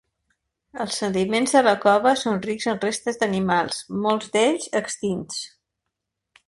Els sediments de la cova són rics en restes d'animals, molts d'ells extints.